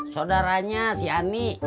saudaranya si ani